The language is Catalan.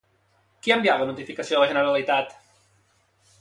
Qui ha enviat la notificació a la Generalitat?